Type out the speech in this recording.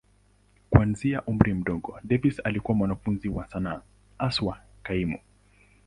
Kuanzia umri mdogo, Davis alikuwa mwanafunzi wa sanaa, haswa kaimu.